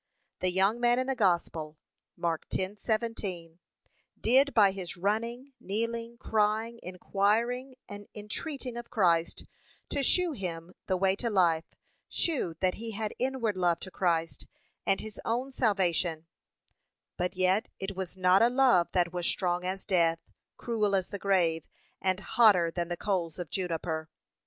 The young man in the gospel, (Mark 10:17) did by his running, kneeling, crying, inquiring, and entreating of Christ, to shew him the way to life, shew that he had inward love to Christ and his own salvation; but yet it was not a love that was 'strong as death,' 'cruel as the grave,' and hotter than the coals of juniper.